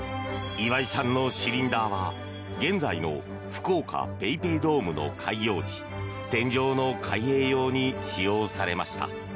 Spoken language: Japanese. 岩井さんのシリンダーは現在の福岡ＰａｙＰａｙドームの開業時天井の開閉用に使用されました。